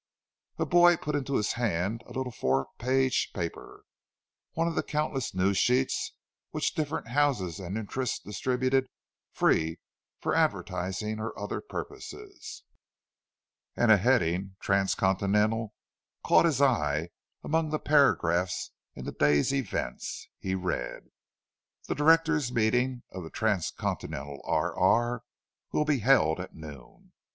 A boy put into his hand a little four page paper—one of the countless news sheets which different houses and interests distributed free for advertising or other purposes; and a heading "Transcontinental" caught his eye, among the paragraphs in the Day's Events. He read: "The directors' meeting of the Transcontinental R.R. will be held at noon.